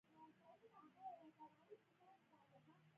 پکتیکا د افغانستان په اوږده تاریخ کې ذکر شوی دی.